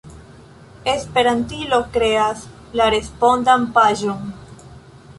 Esperantilo kreas la respondan paĝon.